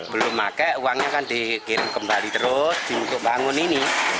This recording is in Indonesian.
belum pakai uangnya kan dikirim kembali terus untuk bangun ini